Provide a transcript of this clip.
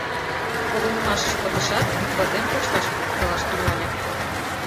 Погынымашышт пытышат, ватем кочкаш погкалаш тӱҥале.